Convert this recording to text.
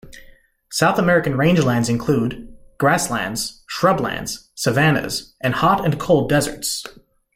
South American rangelands include; grasslands, shrublands, savannas, and hot and cold deserts.